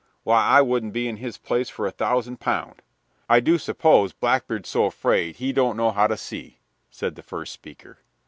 Why, I wouldn't be in his place for a thousand pound." "I do suppose Blackbeard's so afraid he don't know how to see," said the first speaker.